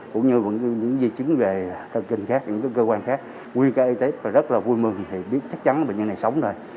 cũng như dây chứng về cơ quan khác nguyên cả y tế rất là vui mừng biết chắc chắn bệnh nhân này sống rồi